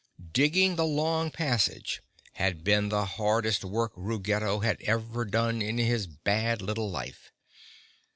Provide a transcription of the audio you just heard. Digging the long passage had been the hardest work Ruggedo had ever done in his bad little life.